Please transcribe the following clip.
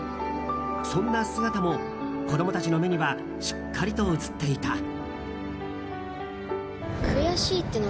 そんな姿も子供たちの目にはしっかりと映っていた。